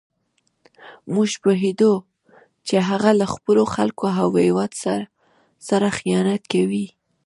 موږ پوهېدو چې هغه له خپلو خلکو او هېواد سره خیانت کوي.